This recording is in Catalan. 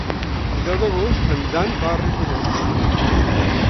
El deu d'agost en Dan va a Ripollet.